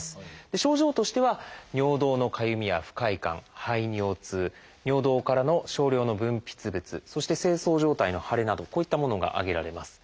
症状としては尿道のかゆみや不快感排尿痛尿道からの少量の分泌物そして精巣上体の腫れなどこういったものが挙げられます。